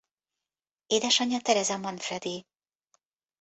Édesanyja Teresa Manfredi.